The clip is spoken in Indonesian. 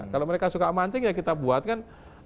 kalau mereka suka mancing ya kita buatkan